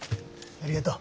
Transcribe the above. ありがとう。